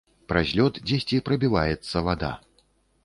Праз лёд дзесьці прабіваецца вада.